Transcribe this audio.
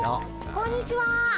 こんにちは。